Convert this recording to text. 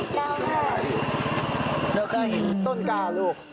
โจ๊กเอโต้นกล้ารูก